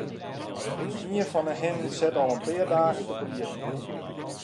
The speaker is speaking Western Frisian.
Ien fan 'e hinnen sit al in pear dagen te brieden.